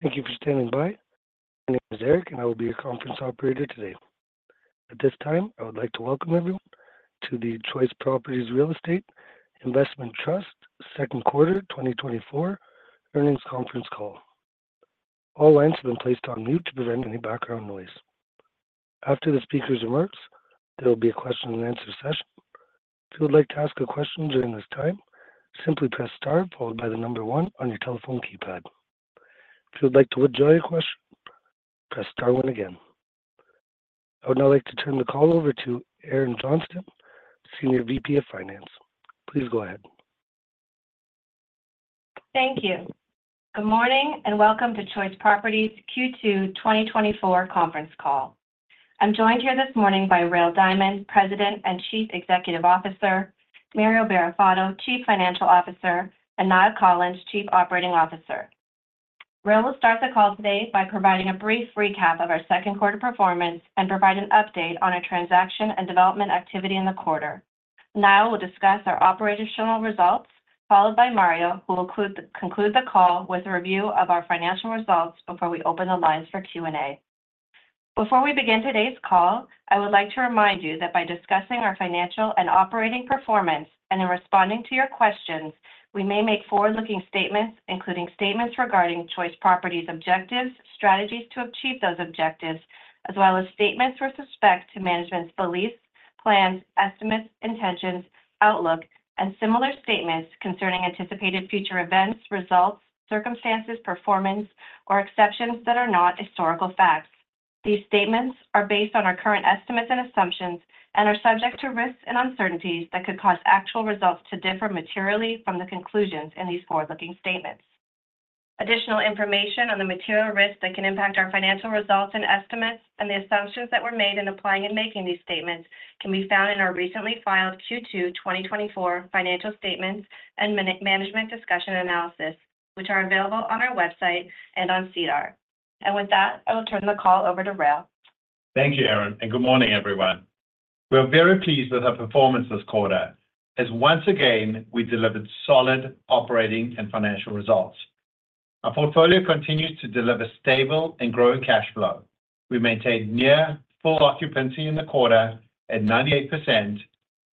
Thank you for standing by. My name is Eric, and I will be your conference operator today. At this time, I would like to welcome everyone to the Choice Properties Real Estate Investment Trust second quarter 2024 earnings conference call. All lines have been placed on mute to prevent any background noise. After the speaker's remarks, there will be a question-and-answer session. If you would like to ask a question during this time, simply press star followed by the number one on your telephone keypad. If you would like to withdraw your question, press star one again. I would now like to turn the call over to Erin Johnston, Senior VP of Finance. Please go ahead. Thank you. Good morning and welcome to Choice Properties Q2 2024 conference call. I'm joined here this morning by Rael Diamond, President and Chief Executive Officer, Mario Barrafato, Chief Financial Officer, and Niall Collins, Chief Operating Officer. Rael will start the call today by providing a brief recap of our second quarter performance and provide an update on our transaction and development activity in the quarter. Niall will discuss our operational results, followed by Mario, who will conclude the call with a review of our financial results before we open the lines for Q&A. Before we begin today's call, I would like to remind you that by discussing our financial and operating performance and in responding to your questions, we may make forward-looking statements, including statements regarding Choice Properties' objectives, strategies to achieve those objectives, as well as statements with respect to management's beliefs, plans, estimates, intentions, outlook, and similar statements concerning anticipated future events, results, circumstances, performance, or exceptions that are not historical facts. These statements are based on our current estimates and assumptions and are subject to risks and uncertainties that could cause actual results to differ materially from the conclusions in these forward-looking statements. Additional information on the material risks that can impact our financial results and estimates and the assumptions that were made in applying and making these statements can be found in our recently filed Q2 2024 financial statements and management discussion analysis, which are available on our website and on SEDAR+. With that, I will turn the call over to Rael. Thank you, Erin, and good morning, everyone. We are very pleased with our performance this quarter, as once again, we delivered solid operating and financial results. Our portfolio continues to deliver stable and growing cash flow. We maintained near full occupancy in the quarter at 98%,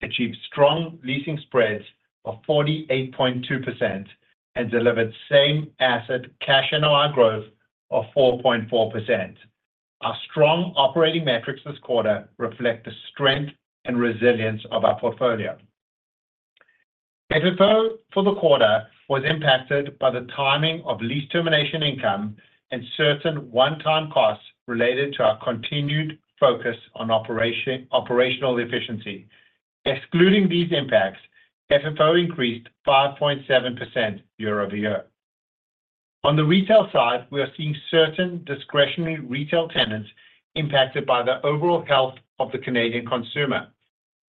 achieved strong leasing spreads of 48.2%, and delivered same-asset cash NOI growth of 4.4%. Our strong operating metrics this quarter reflect the strength and resilience of our portfolio. FFO for the quarter was impacted by the timing of lease termination income and certain one-time costs related to our continued focus on operational efficiency. Excluding these impacts, FFO increased 5.7% year-over-year. On the retail side, we are seeing certain discretionary retail tenants impacted by the overall health of the Canadian consumer.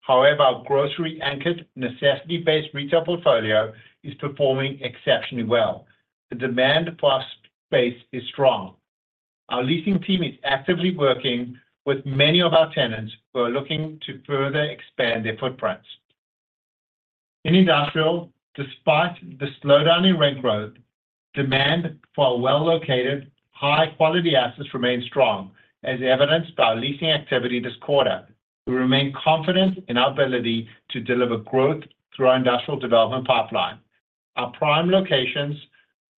However, our grocery-anchored, necessity-based retail portfolio is performing exceptionally well. The demand for our space is strong. Our leasing team is actively working with many of our tenants who are looking to further expand their footprints. In industrial, despite the slowdown in rent growth, demand for well-located, high-quality assets remains strong, as evidenced by our leasing activity this quarter. We remain confident in our ability to deliver growth through our industrial development pipeline. Our prime locations,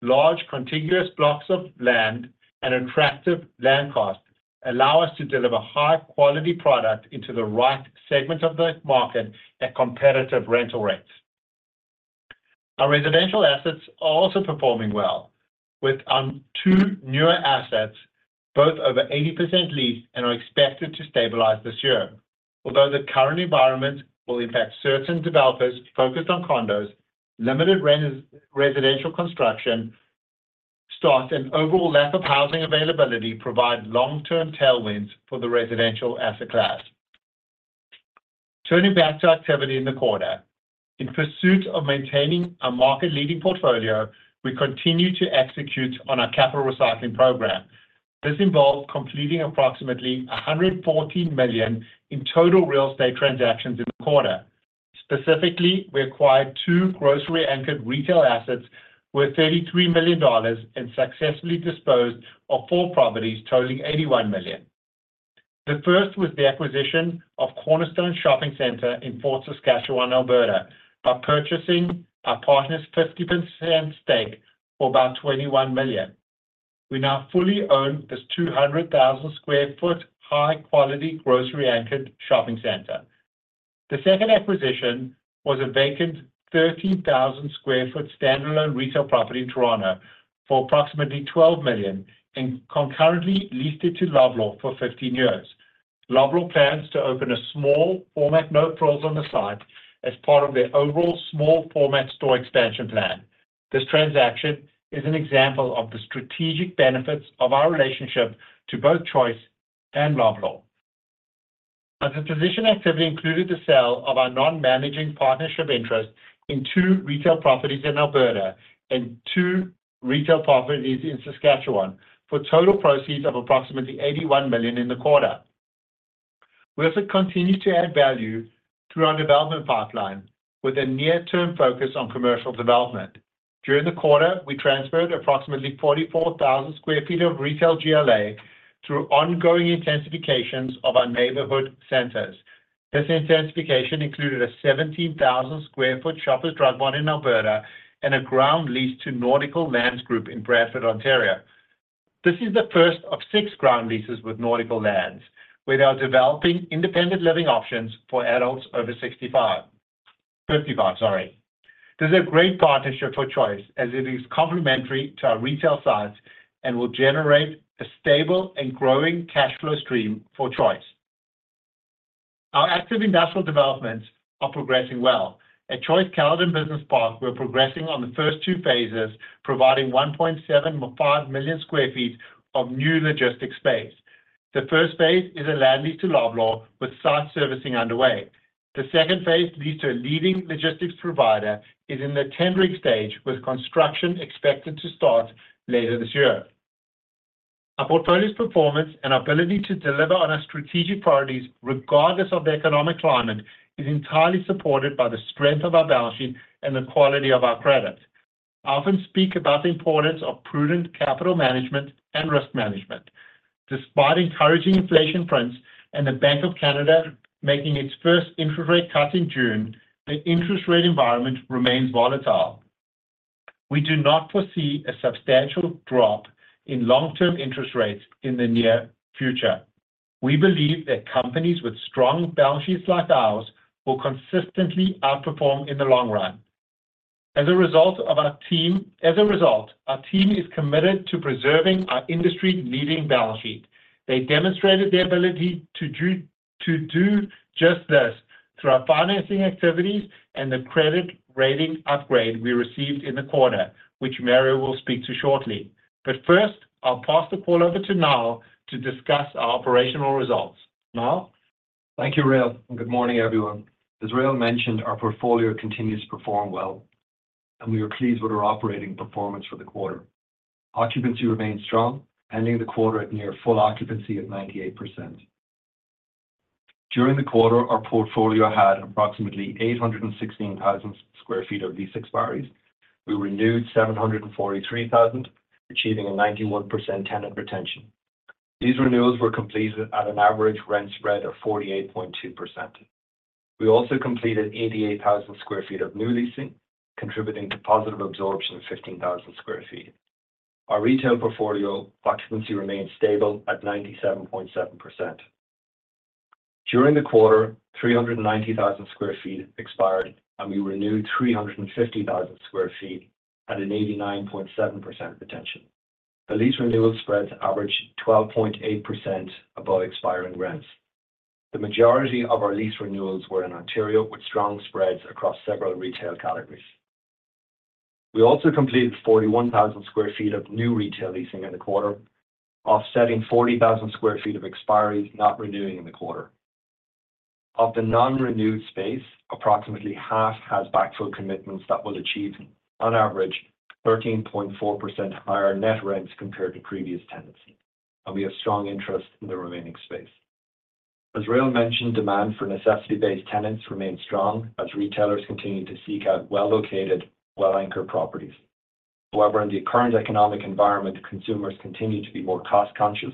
large contiguous blocks of land, and attractive land costs allow us to deliver high-quality product into the right segments of the market at competitive rental rates. Our residential assets are also performing well, with two newer assets both over 80% leased and are expected to stabilize this year. Although the current environment will impact certain developers focused on condos, limited residential construction stocks, and overall lack of housing availability provide long-term tailwinds for the residential asset class. Turning back to activity in the quarter, in pursuit of maintaining our market-leading portfolio, we continue to execute on our capital recycling program. This involves completing approximately 114 million in total real estate transactions in the quarter. Specifically, we acquired two grocery-anchored retail assets worth 33 million dollars and successfully disposed of four properties totaling 81 million. The first was the acquisition of Cornerstone Power Centre in Fort Saskatchewan, Alberta, by purchasing our partner's 50% stake for about 21 million. We now fully own this 200,000 sq ft high-quality grocery-anchored shopping center. The second acquisition was a vacant 13,000 sq ft standalone retail property in Toronto for approximately 12 million and concurrently leased it to Loblaw for 15 years. Loblaw plans to open a small-format No Frills on the site as part of their overall small-format store expansion plan. This transaction is an example of the strategic benefits of our relationship to both Choice and Loblaw. Our disposition activity included the sale of our non-managing partnership interest in two retail properties in Alberta and two retail properties in Saskatchewan for total proceeds of approximately 81 million in the quarter. We also continue to add value through our development pipeline with a near-term focus on commercial development. During the quarter, we transferred approximately 44,000 square feet of retail GLA through ongoing intensifications of our neighborhood centers. This intensification included a 17,000 square foot Shoppers Drug Mart in Alberta and a ground lease to Nautical Lands Group in Bradford, Ontario. This is the first of six ground leases with Nautical Lands, where they are developing independent living options for adults over 65. 55, sorry. This is a great partnership for Choice, as it is complementary to our retail sites and will generate a stable and growing cash flow stream for Choice. Our active industrial developments are progressing well. At Choice Caledon Business Park, we're progressing on the first two phases, providing 1.75 million sq ft of new logistics space. The first phase is a land lease to Loblaw with site servicing underway. The second phase leads to a leading logistics provider is in the tendering stage, with construction expected to start later this year. Our portfolio's performance and ability to deliver on our strategic priorities, regardless of the economic climate, is entirely supported by the strength of our balance sheet and the quality of our credit. I often speak about the importance of prudent capital management and risk management. Despite encouraging inflation prints and the Bank of Canada making its first interest rate cuts in June, the interest rate environment remains volatile. We do not foresee a substantial drop in long-term interest rates in the near future. We believe that companies with strong balance sheets like ours will consistently outperform in the long run. As a result, our team is committed to preserving our industry-leading balance sheet. They demonstrated their ability to do just this through our financing activities and the credit rating upgrade we received in the quarter, which Mario will speak to shortly. But first, I'll pass the call over to Niall to discuss our operational results. Niall? Thank you, Rael. Good morning, everyone. As Rael mentioned, our portfolio continues to perform well, and we are pleased with our operating performance for the quarter. Occupancy remains strong, ending the quarter at near full occupancy of 98%. During the quarter, our portfolio had approximately 816,000 sq ft of leasing expires. We renewed 743,000, achieving a 91% tenant retention. These renewals were completed at an average rent spread of 48.2%. We also completed 88,000 sq ft of new leasing, contributing to positive absorption of 15,000 sq ft. Our retail portfolio occupancy remained stable at 97.7%. During the quarter, 390,000 sq ft expired, and we renewed 350,000 sq ft at an 89.7% retention. The lease renewal spreads averaged 12.8% above expiring rents. The majority of our lease renewals were in Ontario, with strong spreads across several retail categories. We also completed 41,000 sq ft of new retail leasing in the quarter, offsetting 40,000 sq ft of expiries not renewing in the quarter. Of the non-renewed space, approximately half has backfill commitments that will achieve, on average, 13.4% higher net rents compared to previous tenancy, and we have strong interest in the remaining space. As Rael mentioned, demand for necessity-based tenants remains strong as retailers continue to seek out well-located, well-anchored properties. However, in the current economic environment, consumers continue to be more cost-conscious,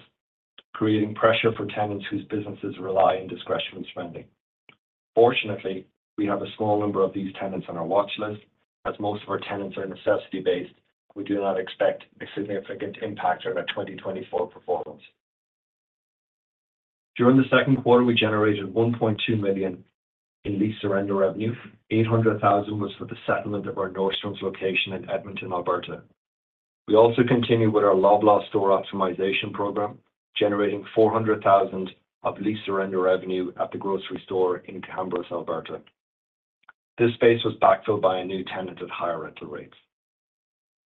creating pressure for tenants whose businesses rely on discretionary spending. Fortunately, we have a small number of these tenants on our watch list. As most of our tenants are necessity-based, we do not expect a significant impact on our 2024 performance. During the second quarter, we generated 1.2 million in lease surrender revenue. 800,000 was for the settlement of our Nordstrom's location in Edmonton, Alberta. We also continued with our Loblaw store optimization program, generating 400,000 of lease surrender revenue at the grocery store in Cambridge, Ontario. This space was backfilled by a new tenant at higher rental rates.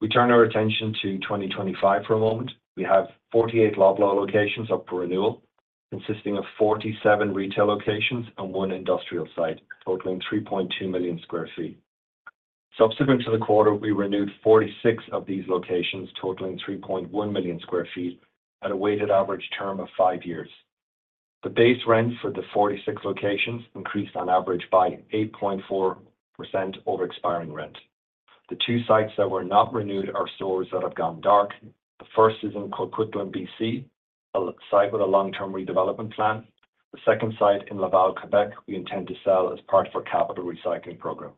We turn our attention to 2025 for a moment. We have 48 Loblaw locations up for renewal, consisting of 47 retail locations and one industrial site, totaling 3.2 million sq ft. Subsequent to the quarter, we renewed 46 of these locations, totaling 3.1 million sq ft at a weighted average term of five years. The base rent for the 46 locations increased on average by 8.4% over expiring rent. The two sites that were not renewed are stores that have gone dark. The first is in Coquitlam, BC, a site with a long-term redevelopment plan. The second site in Laval, Quebec, we intend to sell as part of our capital recycling program.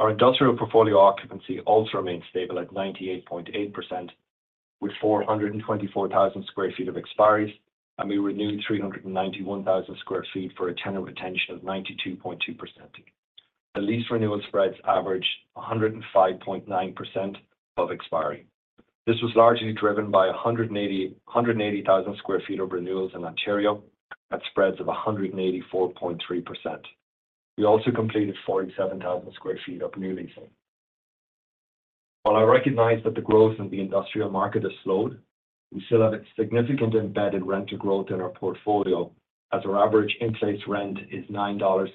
Our industrial portfolio occupancy also remained stable at 98.8%, with 424,000 sq ft of expiries, and we renewed 391,000 sq ft for a tenant retention of 92.2%. The lease renewal spreads averaged 105.9% above expiry. This was largely driven by 180,000 sq ft of renewals in Ontario at spreads of 184.3%. We also completed 47,000 sq ft of new leasing. While I recognize that the growth in the industrial market has slowed, we still have significant embedded rental growth in our portfolio, as our average in-place rent is 9.32 dollars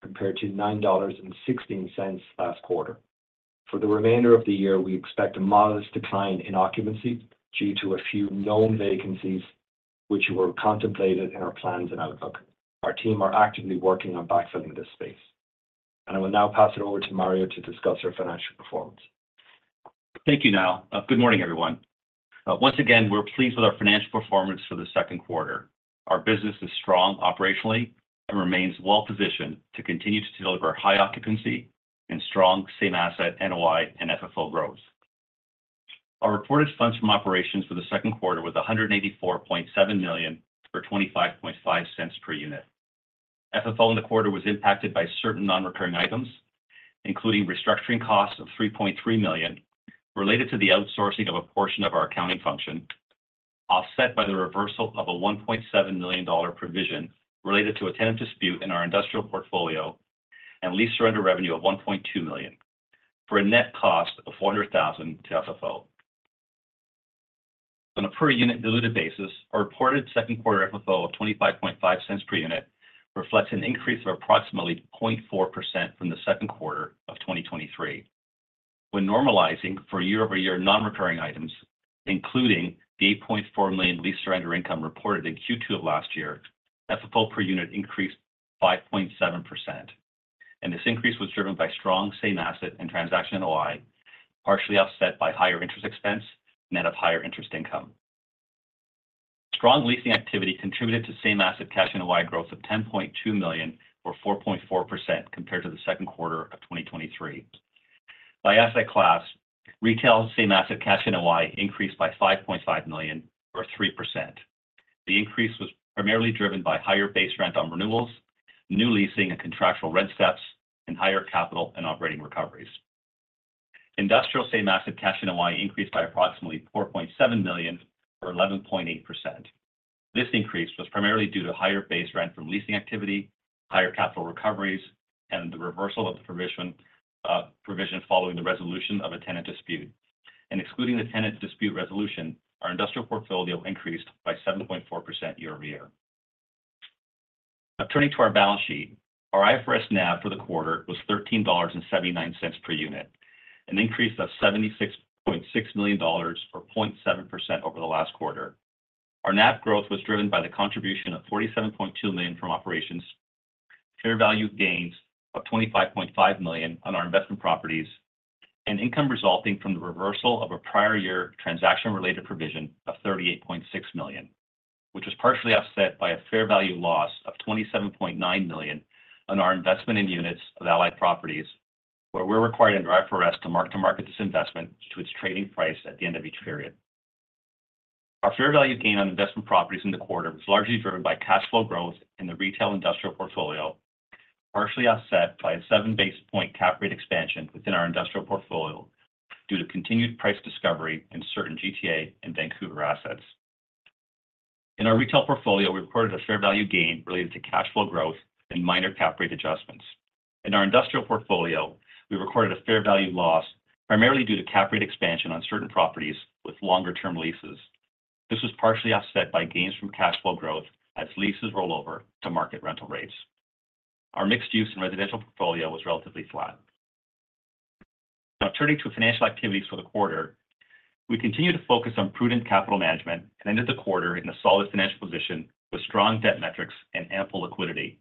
compared to 9.16 dollars last quarter. For the remainder of the year, we expect a modest decline in occupancy due to a few known vacancies, which were contemplated in our plans and outlook. Our team is actively working on backfilling this space. I will now pass it over to Mario to discuss our financial performance. Thank you, Niall. Good morning, everyone. Once again, we're pleased with our financial performance for the second quarter. Our business is strong operationally and remains well-positioned to continue to deliver high occupancy and strong same-asset NOI and FFO growth. Our reported funds from operations for the second quarter were 184.7 million for 0.255 per unit. FFO in the quarter was impacted by certain non-recurring items, including restructuring costs of 3.3 million related to the outsourcing of a portion of our accounting function, offset by the reversal of a 1.7 million dollar provision related to a tenant dispute in our industrial portfolio, and lease surrender revenue of 1.2 million for a net cost of 400,000 to FFO. On a per-unit diluted basis, our reported second quarter FFO of 0.255 per unit reflects an increase of approximately 0.4% from the second quarter of 2023. When normalizing for year-over-year non-recurring items, including the 8.4 million lease surrender income reported in Q2 of last year, FFO per unit increased 5.7%. This increase was driven by strong same-asset and transaction NOI, partially offset by higher interest expense net of higher interest income. Strong leasing activity contributed to same-asset cash NOI growth of 10.2 million or 4.4% compared to the second quarter of 2023. By asset class, retail same-asset cash NOI increased by 5.5 million or 3%. The increase was primarily driven by higher base rent on renewals, new leasing and contractual rent steps, and higher capital and operating recoveries. Industrial same-asset cash NOI increased by approximately 4.7 million or 11.8%. This increase was primarily due to higher base rent from leasing activity, higher capital recoveries, and the reversal of the provision following the resolution of a tenant dispute. Excluding the tenant dispute resolution, our industrial portfolio increased by 7.4% year-over-year. Turning to our balance sheet, our IFRS NAV for the quarter was 13.79 dollars per unit, an increase of 76.6 million dollars or 0.7% over the last quarter. Our NAV growth was driven by the contribution of 47.2 million from operations, fair value gains of 25.5 million on our investment properties, and income resulting from the reversal of a prior year transaction-related provision of 38.6 million, which was partially offset by a fair value loss of 27.9 million on our investment in units of Allied Properties, where we're required under IFRS to mark-to-market this investment to its trading price at the end of each period. Our fair value gain on investment properties in the quarter was largely driven by cash flow growth in the retail industrial portfolio, partially offset by a seven basis point cap rate expansion within our industrial portfolio due to continued price discovery in certain GTA and Vancouver assets. In our retail portfolio, we recorded a fair value gain related to cash flow growth and minor cap rate adjustments. In our industrial portfolio, we recorded a fair value loss primarily due to cap rate expansion on certain properties with longer-term leases. This was partially offset by gains from cash flow growth as leases roll over to market rental rates. Our mixed-use and residential portfolio was relatively flat. Now, turning to financial activities for the quarter, we continue to focus on prudent capital management and ended the quarter in a solid financial position with strong debt metrics and ample liquidity.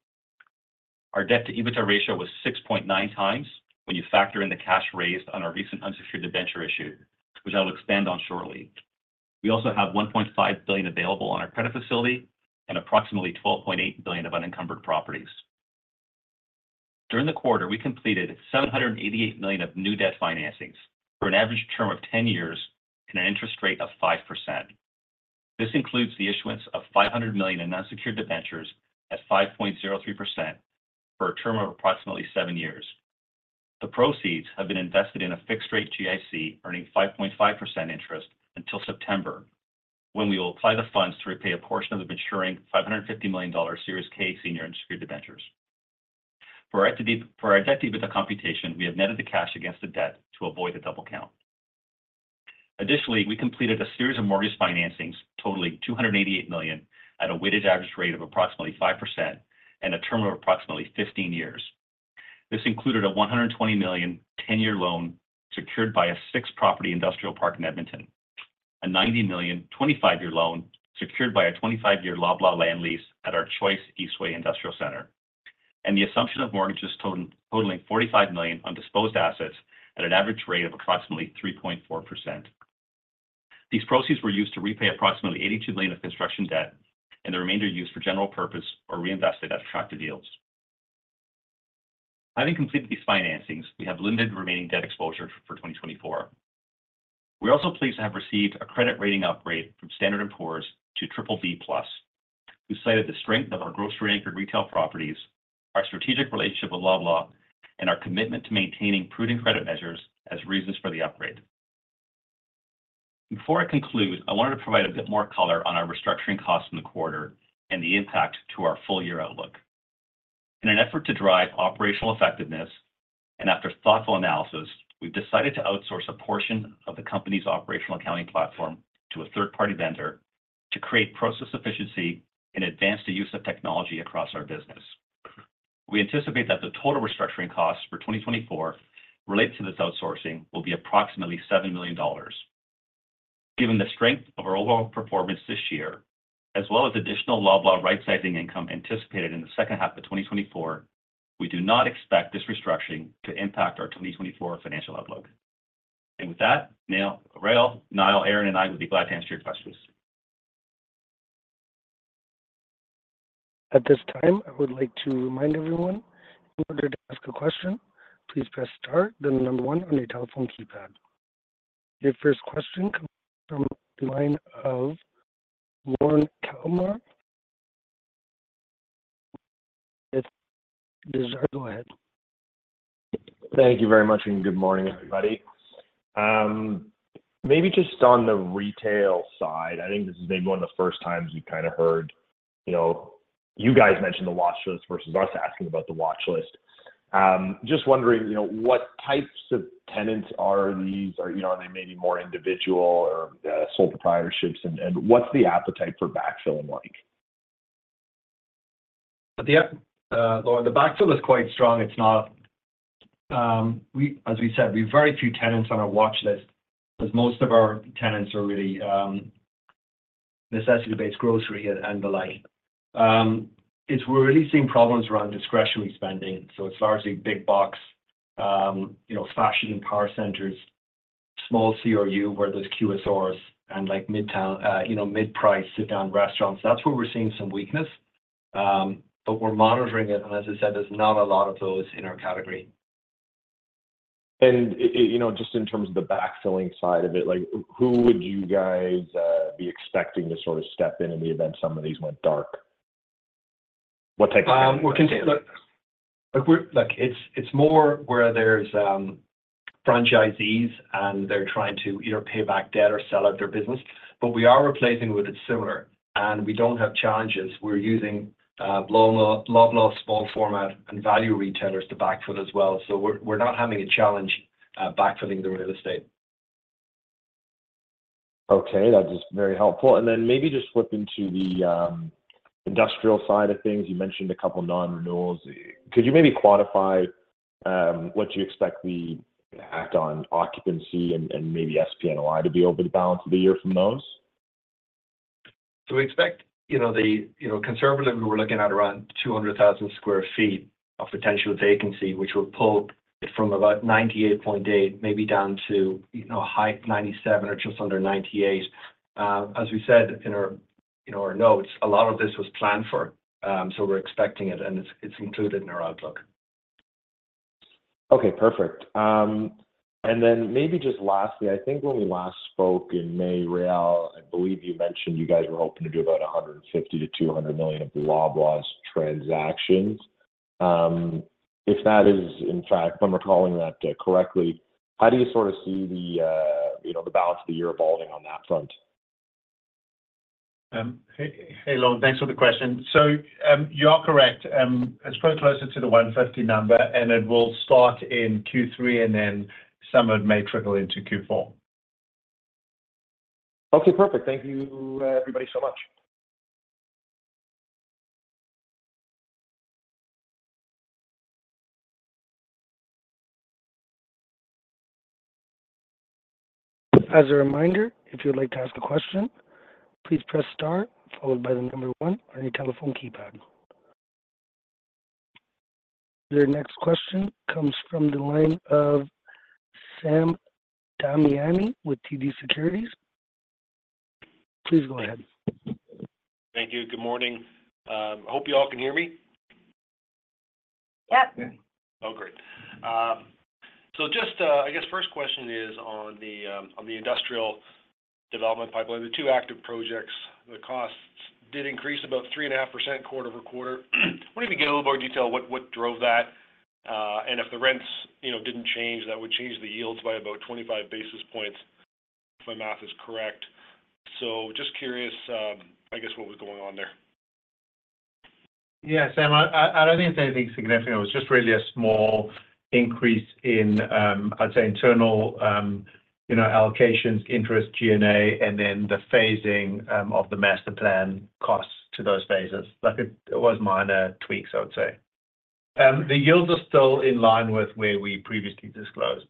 Our debt-to-equity ratio was 6.9x when you factor in the cash raised on our recent unsecured debenture issue, which I'll expand on shortly. We also have 1.5 billion available on our credit facility and approximately 12.8 billion of unencumbered properties. During the quarter, we completed 788 million of new debt financings for an average term of 10 years and an interest rate of 5%. This includes the issuance of 500 million in unsecured debentures at 5.03% for a term of approximately 7 years. The proceeds have been invested in a fixed-rate GIC earning 5.5% interest until September, when we will apply the funds to repay a portion of the maturing CAD 550 million Series K senior unsecured debentures. For our debt denominator computation, we have netted the cash against the debt to avoid the double count. Additionally, we completed a series of mortgage financings, totaling 288 million at a weighted average rate of approximately 5% and a term of approximately 15 years. This included a 120 million 10-year loan secured by a six-property industrial park in Edmonton, a 90 million 25-year loan secured by a 25-year Loblaw land lease at our Choice Eastway Industrial Centre, and the assumption of mortgages totaling 45 million on disposed assets at an average rate of approximately 3.4%. These proceeds were used to repay approximately 82 million of construction debt, and the remainder used for general purpose or reinvested at attractive yields. Having completed these financings, we have limited remaining debt exposure for 2024. We're also pleased to have received a credit rating upgrade from Standard and Poor's to BBB Plus, who cited the strength of our grocery-anchored retail properties, our strategic relationship with Loblaw, and our commitment to maintaining prudent credit measures as reasons for the upgrade. Before I conclude, I wanted to provide a bit more color on our restructuring costs in the quarter and the impact to our full-year outlook. In an effort to drive operational effectiveness and after thoughtful analysis, we've decided to outsource a portion of the company's operational accounting platform to a third-party vendor to create process efficiency and advance the use of technology across our business. We anticipate that the total restructuring costs for 2024 related to this outsourcing will be approximately 7 million dollars. Given the strength of our overall performance this year, as well as additional Loblaw rightsizing income anticipated in the second half of 2024, we do not expect this restructuring to impact our 2024 financial outlook. And with that, Niall, Erin, and I would be glad to answer your questions. At this time, I would like to remind everyone, in order to ask a question, please press star, then the 1 on your telephone keypad. Your first question comes from the line of Lorne Kalmar. Please go ahead. Thank you very much and good morning, everybody. Maybe just on the retail side, I think this is maybe one of the first times we've kind of heard you guys mention the watch list versus us asking about the watch list. Just wondering, what types of tenants are these? Are they maybe more individual or sole proprietorships? And what's the appetite for backfilling like? The backfill is quite strong. As we said, we have very few tenants on our watch list because most of our tenants are really necessity-based grocery and the like. We're really seeing problems around discretionary spending. So it's largely big box, fashion and power centers, small CRU where there's QSRs and mid-price sit-down restaurants. That's where we're seeing some weakness. But we're monitoring it. And as I said, there's not a lot of those in our category. Just in terms of the backfilling side of it, who would you guys be expecting to sort of step in in the event some of these went dark? What type of tenants? It's more where there's franchisees and they're trying to either pay back debt or sell out their business. But we are replacing with a similar. And we don't have challenges. We're using Loblaw, small format, and value retailers to backfill as well. So we're not having a challenge backfilling the real estate. Okay. That's just very helpful. And then maybe just flip into the industrial side of things. You mentioned a couple of non-renewals. Could you maybe quantify what you expect the impact on occupancy and maybe same-property NOI to be over the balance of the year from those? So we expect the conservative, we were looking at around 200,000 sq ft of potential vacancy, which will pull it from about 98.8%, maybe down to high 97% or just under 98%. As we said in our notes, a lot of this was planned for. So we're expecting it, and it's included in our outlook. Okay. Perfect. And then maybe just lastly, I think when we last spoke in May, Rael, I believe you guys were hoping to do about 150 million-200 million of Loblaw's transactions. If that is, in fact, if I'm recalling that correctly, how do you sort of see the balance of the year evolving on that front? Hey, Lorne, thanks for the question. You are correct. It's probably closer to the 150 number, and it will start in Q3, and then some of it may trickle into Q4. Okay. Perfect. Thank you, everybody, so much. As a reminder, if you'd like to ask a question, please press star, followed by the number one on your telephone keypad. Your next question comes from the line of Sam Damiani with TD Securities. Please go ahead. Thank you. Good morning. I hope you all can hear me. Yep. Oh, great. So just, I guess, first question is on the industrial development pipeline. The two active projects, the costs did increase about 3.5% quarter-over-quarter. I want to even get a little more detail on what drove that. And if the rents didn't change, that would change the yields by about 25 basis points if my math is correct. So just curious, I guess, what was going on there. Yeah, Sam, I don't think it's anything significant. It was just really a small increase in, I'd say, internal allocations, interest, G&A, and then the phasing of the master plan costs to those phases. It was minor tweaks, I would say. The yields are still in line with where we previously disclosed.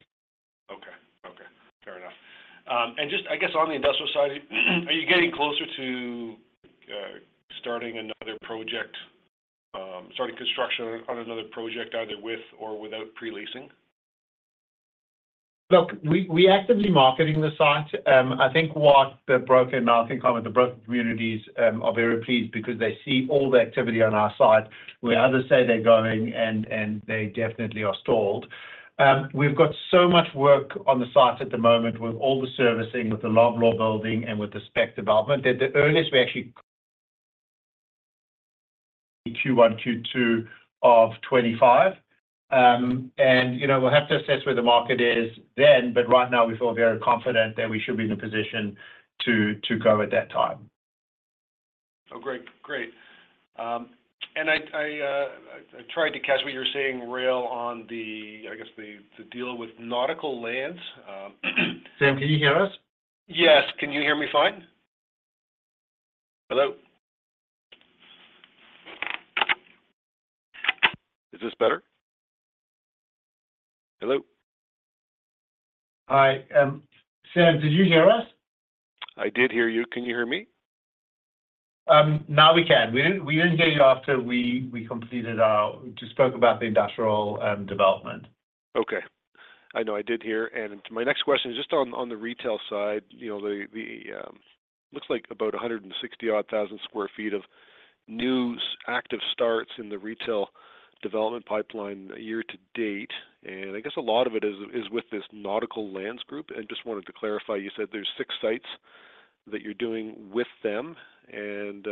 Okay. Okay. Fair enough. And just, I guess, on the industrial side, are you getting closer to starting another project, starting construction on another project, either with or without pre-leasing? Look, we're actively marketing the site. I think what the broker, and I think the broker communities are very pleased because they see all the activity on our site. We either say they're going, and they definitely are stalled. We've got so much work on the site at the moment with all the servicing, with the Loblaw building, and with the spec development that the earliest we actually Q1, Q2 of 2025. And we'll have to assess where the market is then, but right now, we feel very confident that we should be in a position to go at that time. Oh, great. Great. And I tried to catch what you were saying, Rael, on the, I guess, the deal with Nautical Lands. Sam, can you hear us? Yes. Can you hear me fine? Hello? Is this better? Hello? Hi. Sam, did you hear us? I did hear you. Can you hear me? Now we can. We didn't get it after we completed our just spoke about the industrial development. Okay. I know. I did hear. And my next question is just on the retail side. It looks like about 160,000 sq ft of new active starts in the retail development pipeline year to date. And I guess a lot of it is with this Nautical Lands Group. And just wanted to clarify, you said there's six sites that you're doing with them. And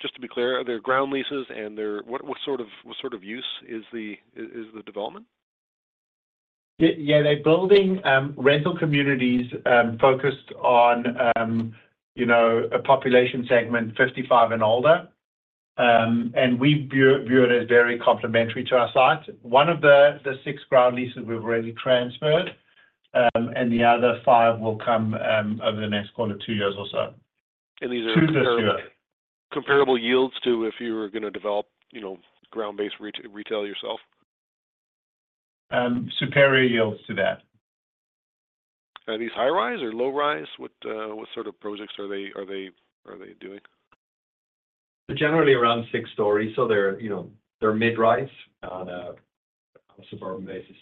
just to be clear, they're ground leases, and what sort of use is the development? Yeah. They're building rental communities focused on a population segment, 55 and older. And we view it as very complementary to our site. One of the six ground leases we've already transferred, and the other five will come over the next quarter, two years or so. These are comparable yields to if you were going to develop ground-based retail yourself? Superior yields to that. Are these high-rise or low-rise? What sort of projects are they doing? They're generally around six-story, so they're mid-rise on a suburban basis.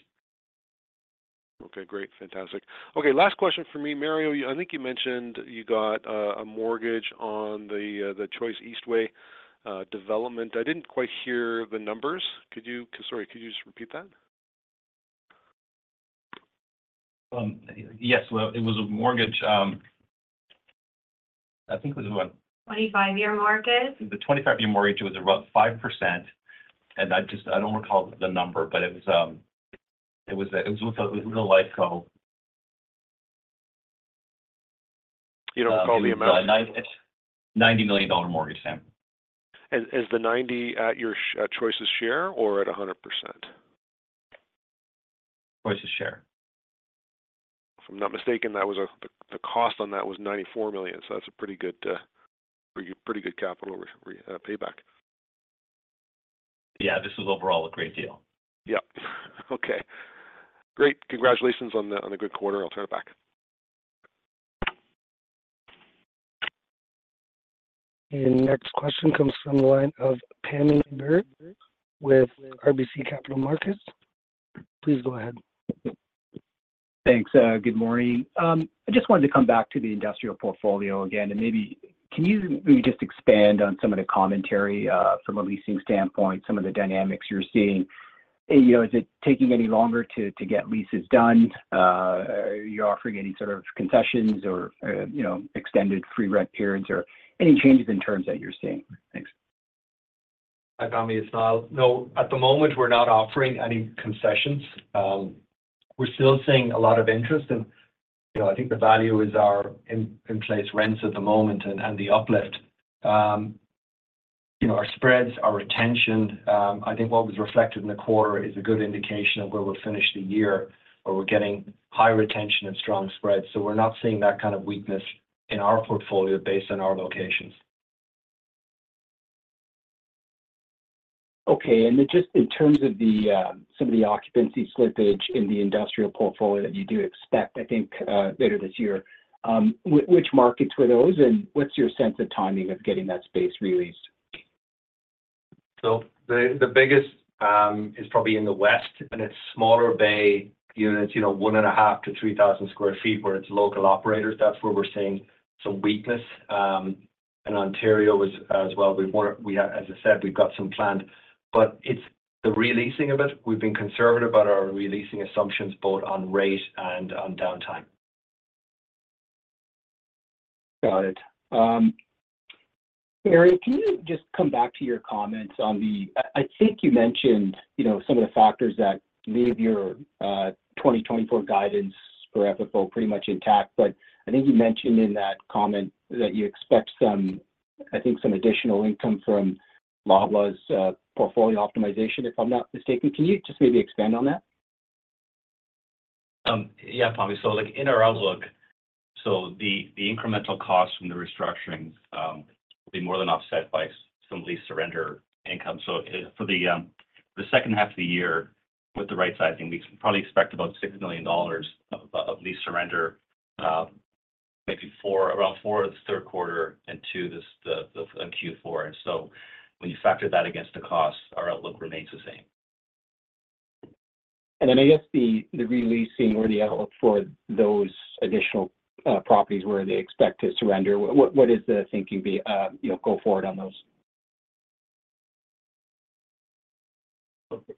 Okay. Great. Fantastic. Okay. Last question for me, Mario. I think you mentioned you got a mortgage on the Choice Eastway development. I didn't quite hear the numbers. Sorry, could you just repeat that? Yes. Well, it was a mortgage. I think it was about. 25-year mortgage. The 25-year mortgage was about 5%. I don't recall the number, but it was with a little Lifeco. You don't recall the amount? 90 million mortgage, Sam. Is the 90 at your Choice's share or at 100%? Choice's share. If I'm not mistaken, the cost on that was 94 million. So that's a pretty good capital payback. Yeah. This was overall a great deal. Yep. Okay. Great. Congratulations on a good quarter. I'll turn it back. Next question comes from the line of Pammi Bir with RBC Capital Markets. Please go ahead. Thanks. Good morning. I just wanted to come back to the industrial portfolio again. And maybe can you just expand on some of the commentary from a leasing standpoint, some of the dynamics you're seeing? Is it taking any longer to get leases done? Are you offering any sort of concessions or extended free rent periods or any changes in terms that you're seeing? Thanks. I can't say. No, at the moment, we're not offering any concessions. We're still seeing a lot of interest. I think the value is our in-place rents at the moment and the uplift, our spreads, our retention. I think what was reflected in the quarter is a good indication of where we'll finish the year, where we're getting high retention and strong spreads. We're not seeing that kind of weakness in our portfolio based on our locations. Okay. Just in terms of some of the occupancy slippage in the industrial portfolio that you do expect, I think, later this year, which markets were those, and what's your sense of timing of getting that space released? So the biggest is probably in the west, and it's smaller bay units, 1.5-3,000 sq ft where it's local operators. That's where we're seeing some weakness. And Ontario as well. As I said, we've got some planned. But it's the releasing of it. We've been conservative about our releasing assumptions both on rate and on downtime. Got it. Mario, can you just come back to your comments on the, I think, you mentioned some of the factors that leave your 2024 guidance for FFO pretty much intact. But I think you mentioned in that comment that you expect, I think, some additional income from Loblaw's portfolio optimization, if I'm not mistaken. Can you just maybe expand on that? Yeah, probably. So in our outlook, the incremental costs from the restructuring will be more than offset by some lease surrender income. So for the second half of the year, with the right sizing, we probably expect about 6 million dollars of lease surrender maybe for around four of the third quarter and two of Q4. And so when you factor that against the cost, our outlook remains the same. I guess the releasing or the outlook for those additional properties where they expect to surrender. What is the thinking going forward on those?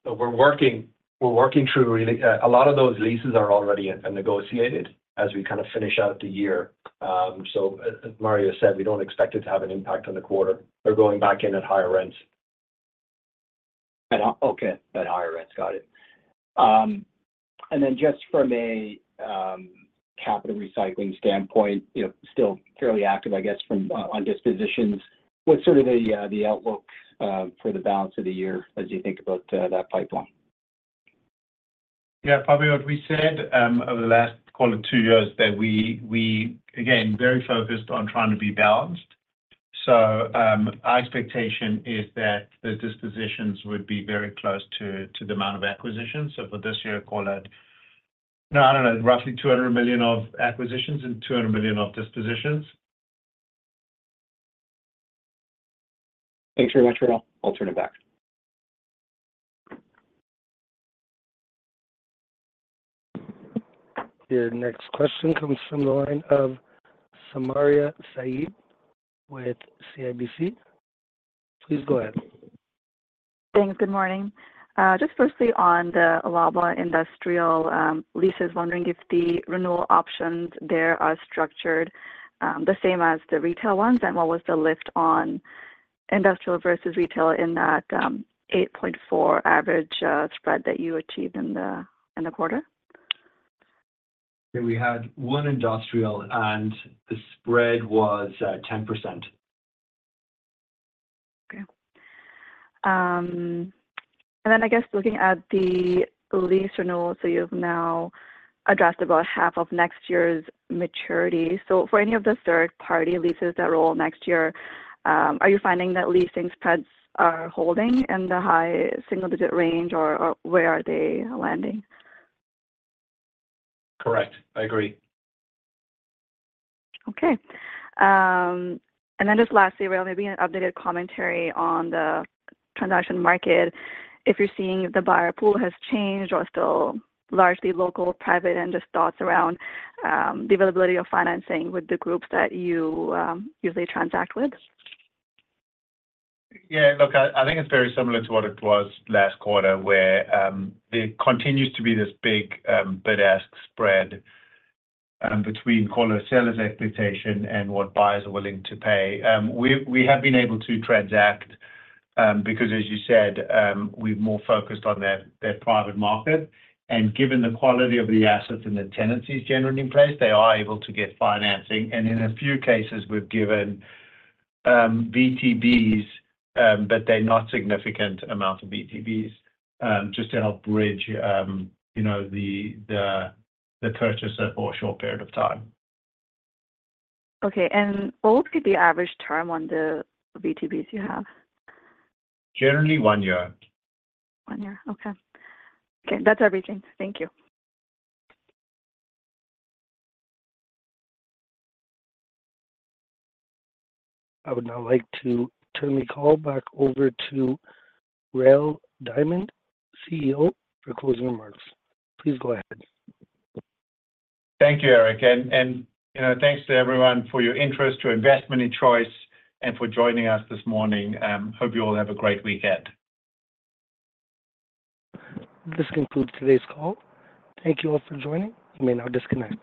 We're working through a lot of those leases. They are already negotiated as we kind of finish out the year. So as Mario said, we don't expect it to have an impact on the quarter. They're going back in at higher rents. Okay. At higher rents. Got it. And then just from a capital recycling standpoint, still fairly active, I guess, on dispositions, what's sort of the outlook for the balance of the year as you think about that pipeline? Yeah. Probably what we said over the last quarter to two years that we, again, very focused on trying to be balanced. So our expectation is that the dispositions would be very close to the amount of acquisitions. So for this year, I don't know, roughly 200 million of acquisitions and 200 million of dispositions. Thanks very much, Rael. I'll turn it back. Your next question comes from the line of Sumayya Syed with CIBC. Please go ahead. Thanks. Good morning. Just firstly, on the Loblaw industrial leases, wondering if the renewal options there are structured the same as the retail ones, and what was the lift on industrial versus retail in that 8.4 average spread that you achieved in the quarter? We had one industrial, and the spread was 10%. Okay. And then I guess looking at the lease renewal, so you've now addressed about half of next year's maturity. So for any of the third-party leases that roll next year, are you finding that leasing spreads are holding in the high single-digit range, or where are they landing? Correct. I agree. Okay. And then just lastly, Rael, maybe an updated commentary on the transaction market. If you're seeing the buyer pool has changed or still largely local, private, and just thoughts around the availability of financing with the groups that you usually transact with? Yeah. Look, I think it's very similar to what it was last quarter, where there continues to be this big bid-ask spread between seller's expectation and what buyers are willing to pay. We have been able to transact because, as you said, we're more focused on their private market. And given the quality of the assets and the tenancies generally in place, they are able to get financing. And in a few cases, we've given VTBs, but they're not significant amounts of VTBs just to help bridge the purchase for a short period of time. Okay. And what would be the average term on the VTBs you have? Generally, one year. One year. Okay. Okay. That's everything. Thank you. I would now like to turn the call back over to Rael Diamond, CEO, for closing remarks. Please go ahead. Thank you, Erin. And thanks to everyone for your interest, your investment in Choice, and for joining us this morning. Hope you all have a great weekend. This concludes today's call. Thank you all for joining. You may now disconnect.